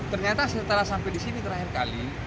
ternyata setelah sampai disini terakhir kali